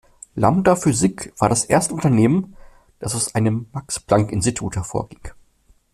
Lambda Physik war das erste Unternehmen, das aus einem Max-Planck-Institut hervorging.